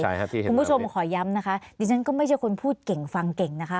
คุณผู้ชมขอย้ำนะคะดิฉันก็ไม่ใช่คนพูดเก่งฟังเก่งนะคะ